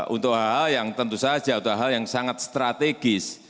untuk hal hal yang tentu saja untuk hal yang sangat strategis